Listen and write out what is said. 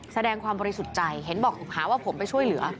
แสดงความบริสุทธิ์ใจเห็นบอกหาว่าผมไปช่วยเหลือ